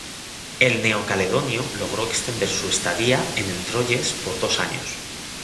El neocaledonio logró extender su estadía en el Troyes por dos años.